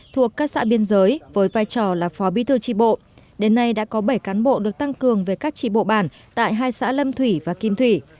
thuộc các xã biên giới với vai trò là phó bi thư trị bộ đến nay đã có bảy cán bộ được tăng cường về các trị bộ bản tại hai xã lâm thủy và kim thủy